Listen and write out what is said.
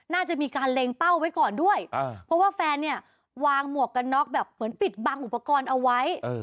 น่าจะมีการเล็งเป้าไว้ก่อนด้วยเพราะว่าแฟนเนี่ยวางหมวกกันน็อกแบบเหมือนปิดบังอุปกรณ์เอาไว้